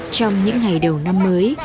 trong những ngày đầu năm mới